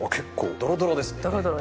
ドロドロです。